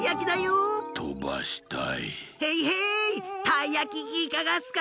たいやきいかがっすか？